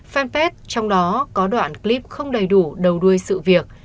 fanpage trong đó có đoạn clip không đầy đủ đầu đuôi sự việc